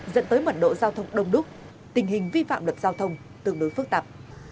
dẫn tới mẩn độ giao thông đông đúc tình hình vi phạm đợt giao thông tương đối phức tạp